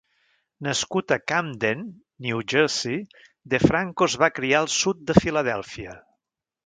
Nascut a Camden, New Jersey, DeFranco es va criar al sud de Filadèlfia.